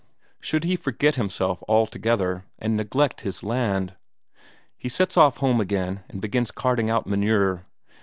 Should he forget himself altogether, and neglect his land? He sets off home again and begins carting out manure.